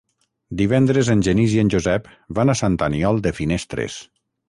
Divendres en Genís i en Josep van a Sant Aniol de Finestres.